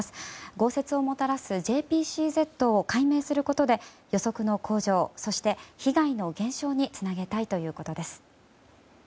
豪雪をもたらすＪＰＣＺを解明することで予測の向上、そして被害の減少につなげたいということです。